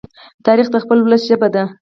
تاریخ د خپل ولس ژبه ده.